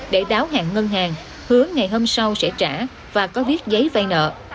để đáo hạn ngân hàng hứa ngày hôm sau sẽ trả và có viết giấy vay nợ